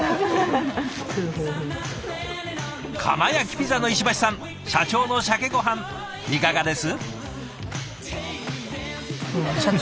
窯焼きピザの石橋さん社長のシャケごはんいかがです？